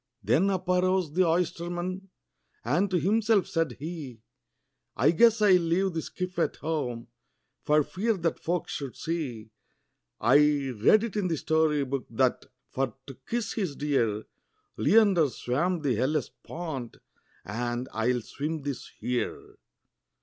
Then up arose the oysterman, and to himself said he, "I guess I 'll leave the skiff at home, for fear that folks should see I read it in the story book, that, for to kiss his dear, Leander swam the Hellespont, and I will swim this here."